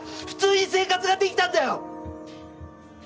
普通に生活ができたんだよ！